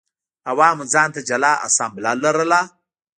عوامو ځان ته جلا اسامبله لرله